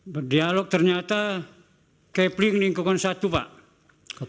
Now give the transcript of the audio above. berdialog ternyata capling lingkungan satu pak